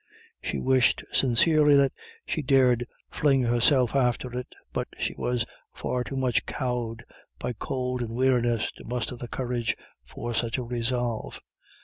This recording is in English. She wished sincerely that she dared fling herself after it, but she was far too much cowed by cold and weariness to muster the courage for such a resolve.